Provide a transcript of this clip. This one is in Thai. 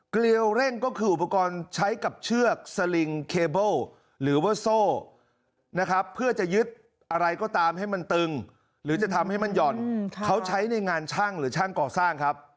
เกลียวเร่งก็คืออุปกรณ์ใช้กับเชือกสลิงเคเบิลหรือว่าโซ่นะครับเพื่อจะยึดอะไรก็ตามให้มันตึงหรือจะทำให้มันหย่อนเขาใช้ในงานช่างหรือช่างก่อสร้างครับ